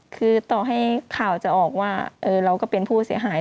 คือต่อให้ข่าวจะออกว่าเราก็เป็นผู้เสียหาย